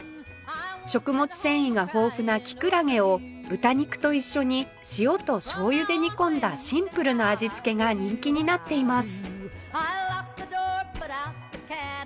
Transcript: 食物繊維が豊富なキクラゲを豚肉と一緒に塩と醤油で煮込んだシンプルな味付けが人気になっています